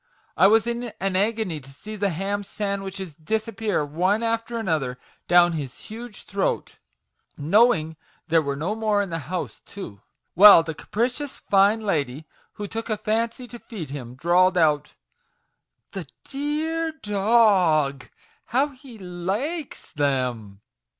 I was in an agony to see the ham sandwiches disappear one after another down his huge throat (knowing there were no more in the house, too), while the capricious fine lady who took a fancy to feed him, drawled out, ' the d e a r d o g ! how he li kes them